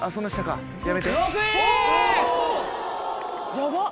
ヤバっ。